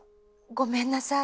ごめんなさい。